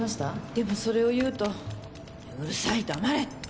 でもそれを言うと「うるさい黙れ」って。